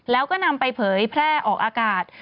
แล้วก็นำไปเผยแพร่ออกอากาศ